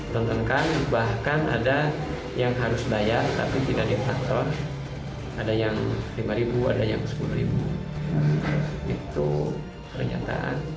tontonkan bahkan ada yang harus bayar tapi tidak diaktifkan